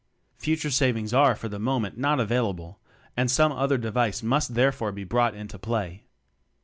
Future savings are for the mo ment not available and some other device must therefore be brought into play.